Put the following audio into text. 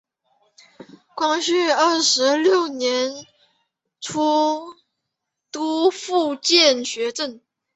光绪二十六年出督福建学政。